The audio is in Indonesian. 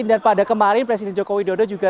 dan pada kemarin presiden joko widodo juga